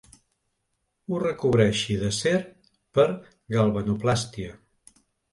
Ho recobreixi d'acer per galvanoplàstia.